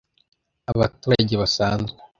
abaturage basanzwe